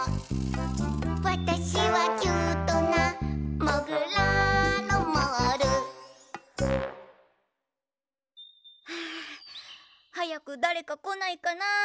「わたしはキュートなもぐらのモール」ははやくだれかこないかな。